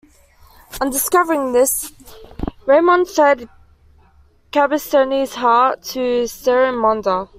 On discovering this, Raimon fed Cabestany's heart to Seremonda.